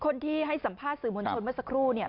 คนที่ให้สัมภาษณ์สื่อมวลชนเมื่อสักครู่เนี่ย